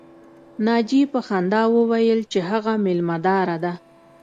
ناجیې په خندا وویل چې هغه مېلمه داره ده